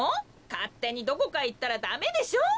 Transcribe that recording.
かってにどこかへいったらダメでしょ！